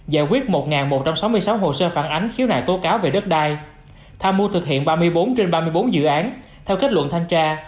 giải quyết một một trăm sáu mươi sáu hồ sơ phản ánh khiếu nại tố cáo về đất đai tham mưu thực hiện ba mươi bốn trên ba mươi bốn dự án theo kết luận thanh tra